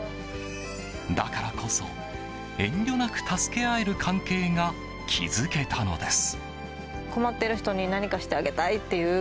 だからこそ、遠慮なく助け合える関係が築けたのです。